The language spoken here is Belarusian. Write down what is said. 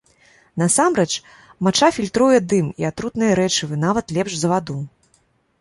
Насамрэч, мача фільтруе дым і атрутныя рэчывы нават лепш за ваду.